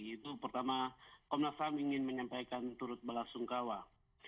itu pertama komnas ham ingin menyampaikan turut belasungkawa